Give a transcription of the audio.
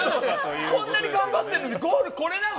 こんなに頑張ってるのにゴールこれなの？